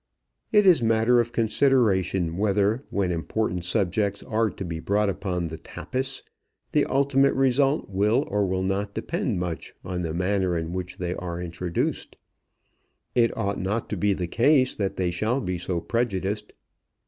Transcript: It is matter of consideration whether, when important subjects are to be brought upon the tapis, the ultimate result will or will not depend much on the manner in which they are introduced. It ought not to be the case that they shall be so prejudiced.